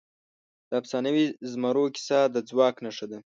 د افسانوي زمرو کیسه د ځواک نښه ده.